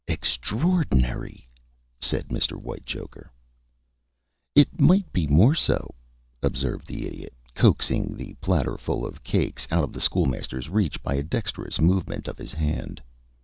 "Extraordinary!" said Mr. Whitechoker. "It might be more so," observed the Idiot, coaxing the platterful of cakes out of the School Master's reach by a dexterous movement of his hand.